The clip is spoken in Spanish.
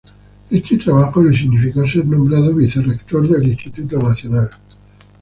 Este trabajo le significó ser nombrado vicerrector del Instituto Nacional.